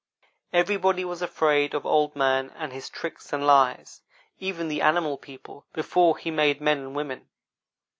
Everybody was afraid of Old man and his tricks and lies even the animal people, before he made men and women.